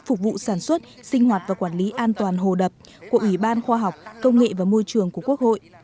phục vụ sản xuất sinh hoạt và quản lý an toàn hồ đập của ủy ban khoa học công nghệ và môi trường của quốc hội